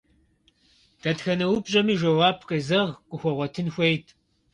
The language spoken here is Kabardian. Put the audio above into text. Дэтхэнэ упщӏэми жэуап къезэгъ къыхуэгъуэтын хуейт.